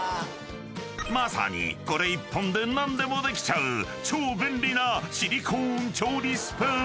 ［まさにこれ１本で何でもできちゃう超便利なシリコーン調理スプーン］